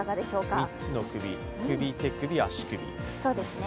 ３つの首、首、手首、足首。